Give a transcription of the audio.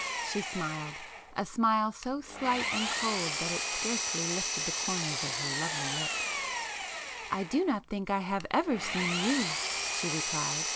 She smiled,—a smile so slight and cold that it scarcely lifted the corners of her lovely lips. "I do not think I have ever seen you," she replied.